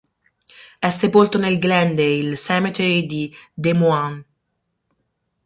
È sepolto nel Glendale Cemetery di Des Moines.